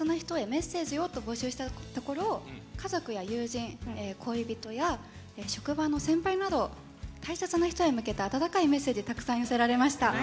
メッセージをと募集したところ家族や友人、恋人や職場の先輩など大切な人へ向けた温かいメッセージたくさん寄せられました。